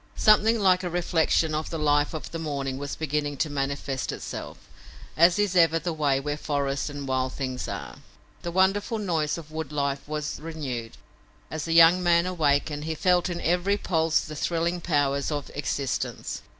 Something like a reflection of the life of the morning was beginning to manifest itself, as is ever the way where forests and wild things are. The wonderful noise of wood life was renewed. As the young man awakened, he felt in every pulse the thrilling powers of existence.